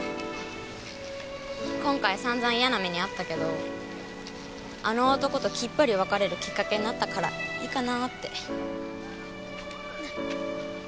今回散々いやな目に遭ったけどあの男ときっぱり別れるきっかけになったからいいかなって。